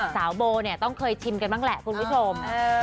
สาวโบต้องเคยชิมกันบ้างแหละคุณผู้ชม